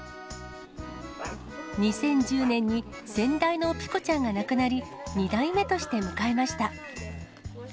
２０１０年に先代のぴこちゃんが亡くなり、２代目として迎えました。